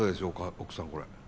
奥さんこれ。